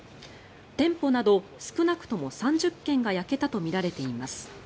店舗など少なくとも３０軒が焼けたとみられています。